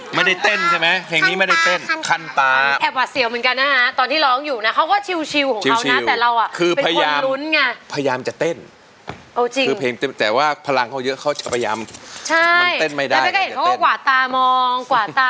แม่ให้ฟันถึงฟันถึงฟัง